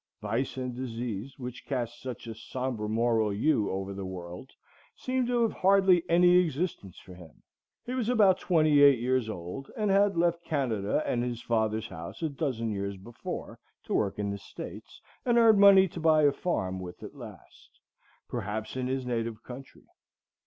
Vice and disease, which cast such a sombre moral hue over the world, seemed to have hardly any existence for him. He was about twenty eight years old, and had left Canada and his father's house a dozen years before to work in the States, and earn money to buy a farm with at last, perhaps in his native country.